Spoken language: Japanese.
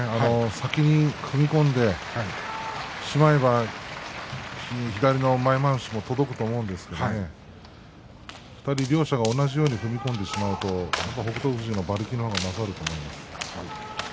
先に踏み込んでしまえば左の前まわしも届くと思うんですが２人、両者が同じように踏み込んでしまうと北勝富士の馬力の方が勝ると思います。